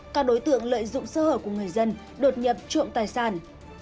các đối tượng lợi dụng sơ hở của người dân đột nhập trộm tài sản